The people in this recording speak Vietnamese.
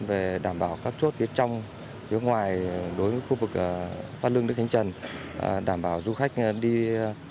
về đảm bảo các chốt phía trong phía ngoài đối với khu vực phát lương đức thánh trần